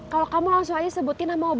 kalau kamu langsung aja sebutin nama obatnya apa